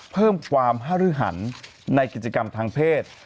เพิ่มความฮารือหันในกิจกรรมทางเพศ